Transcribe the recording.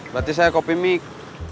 berarti saya kopi mik